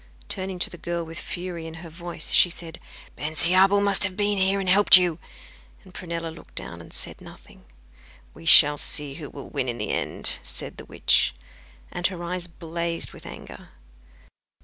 Turning to the girl, with fury in her voice, she said: 'Bensiabel must have been here and helped you;' and Prunella looked down, and said nothing. 'We shall see who will win in the end,' said the witch, and her eyes blazed with anger.